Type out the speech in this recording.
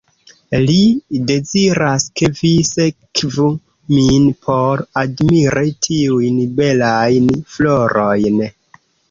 Li deziras, ke vi sekvu min por admiri tiujn belajn florojn.